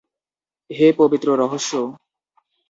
হে পবিত্র রহস্য!